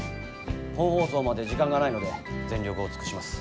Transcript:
本放送まで時間がないので全力を尽くします。